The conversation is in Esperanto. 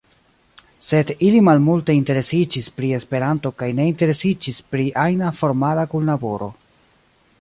Sed ili malmulte interesiĝis pri Esperanto kaj ne interesiĝis pri ajna formala kunlaboro.